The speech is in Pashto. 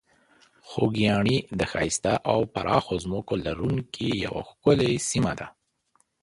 خوږیاڼي د ښایسته او پراخو ځمکو لرونکې یوه ښکلې سیمه ده.